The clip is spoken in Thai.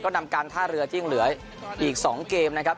ก็นำกันผ้าเหลือที่ยังเหลืออีกสองเกมนะครับ